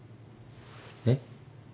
えっ？